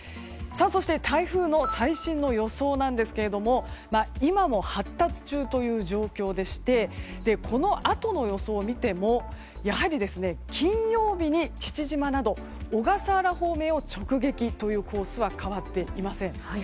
そして台風の最新の予想なんですが今も発達中という状況でしてこのあとの予想を見てもやはり金曜日に父島など小笠原方面を直撃というコースは変わっていません。